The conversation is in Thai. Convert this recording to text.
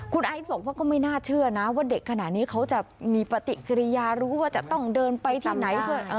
คุณไอซ์บอกว่าก็ไม่น่าเชื่อนะว่าเด็กขนาดนี้เขาจะมีปฏิกิริยารู้ว่าจะต้องเดินไปที่ไหน